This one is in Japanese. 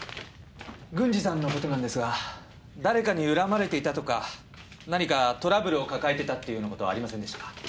軍司さんの事なんですが誰かに恨まれていたとか何かトラブルを抱えてたっていうような事はありませんでしたか？